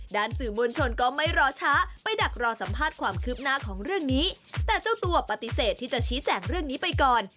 สื่อมวลชนก็ไม่รอช้าไปดักรอสัมภาษณ์ความคืบหน้าของเรื่องนี้แต่เจ้าตัวปฏิเสธที่จะชี้แจงเรื่องนี้ไปก่อน